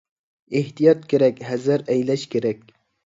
ئېھتىيات كېرەك! ھەزەر ئەيلەش كېرەك!